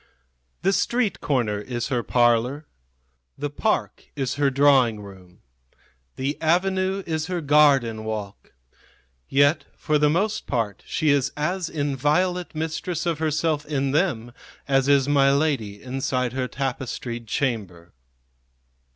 The street corner is her parlor, the park is her drawing room; the avenue is her garden walk; yet for the most part she is as inviolate mistress of herself in them as is my lady inside her tapestried chamber.